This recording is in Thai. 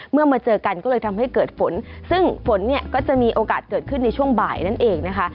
มาเจอกันก็เลยทำให้เกิดฝนซึ่งฝนเนี่ยก็จะมีโอกาสเกิดขึ้นในช่วงบ่ายนั่นเองนะคะ